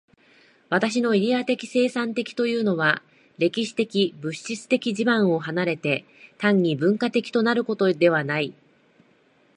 私のイデヤ的生産的というのは、歴史的物質的地盤を離れて、単に文化的となるということではない。